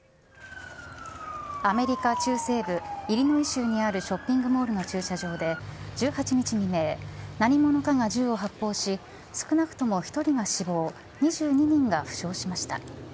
アメリカ中西部イリノイ州にあるショッピングモールの駐車場で１８日未明、何者かが銃を発砲し、少なくとも１人が死亡、２２人が負傷しました。